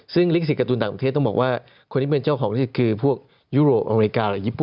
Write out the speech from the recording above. ซึ่งลิขสิทธิต่างประเทศต้องบอกว่าคนที่เป็นเจ้าของลิสต์คือพวกยุโรปอเมริกาหรือญีปุ